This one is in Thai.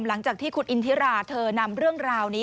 หลังจากที่คุณอินทิราเธอนำเรื่องราวนี้